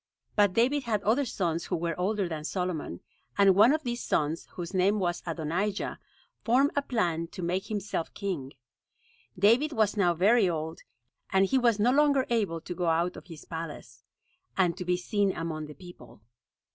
But David had other sons who were older than Solomon; and one of these sons, whose name was Adonijah, formed a plan to make himself king. David was now very old; and he was no longer able to go out of his palace, and to be seen among the people.